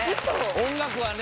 音楽はね！